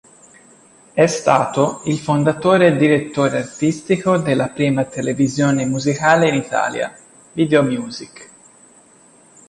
È stato il fondatore e direttore artistico della prima Televisione musicale in Italia, Videomusic.